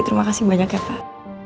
terima kasih banyak ya pak